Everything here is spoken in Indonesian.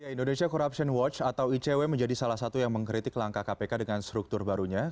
indonesia corruption watch atau icw menjadi salah satu yang mengkritik langkah kpk dengan struktur barunya